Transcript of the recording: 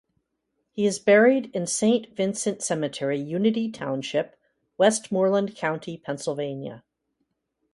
He is buried in Saint Vincent Cemetery, Unity Township, Westmoreland County, Pennsylvania.